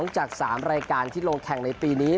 จาก๓รายการที่ลงแข่งในปีนี้